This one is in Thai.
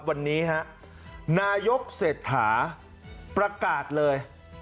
วันนี้ฮะนายกเศรษฐาประกาศเลย